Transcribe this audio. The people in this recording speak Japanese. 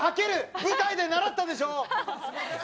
舞台で習ったでしょ。